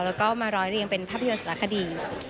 แล้วก็มาร้อยเรียงเป็นภาพยนตร์สารคดี